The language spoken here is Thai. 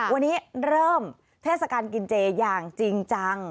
วันนี้เริ่มเทศกาลกินเจอย่างจริงจัง